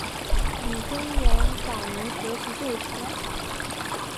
李根源早年学习旧学。